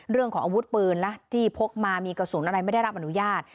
เรื่องของอาวุธปืนนะที่พกมามีกระสุนอะไรไม่ได้รับอนุญาต